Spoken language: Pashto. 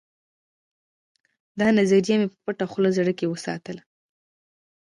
دا نظریه مې په پټه خوله زړه کې وساتله